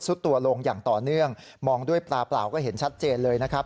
ตัวลงอย่างต่อเนื่องมองด้วยปลาเปล่าก็เห็นชัดเจนเลยนะครับ